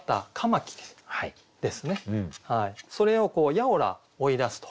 それを「やをら追い出す」と。